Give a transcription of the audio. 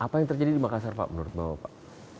apa yang terjadi di makassar pak menurut bapak